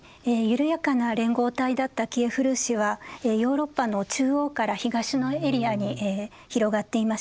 緩やかな連合体だったキエフ・ルーシはヨーロッパの中央から東のエリアに広がっていました。